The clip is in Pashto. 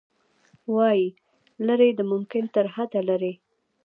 وايي، لیرې د ممکن ترحده لیرې